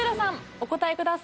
お答えください。